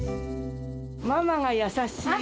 ママが優しい。